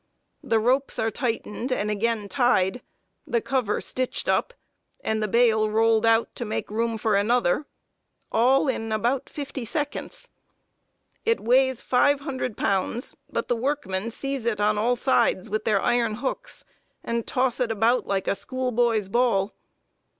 The ropes are tightened and again tied, the cover stitched up, and the bale rolled out to make room for another all in about fifty seconds. It weighs five hundred pounds, but the workmen seize it on all sides with their iron hooks, and toss it about like a schoolboy's ball.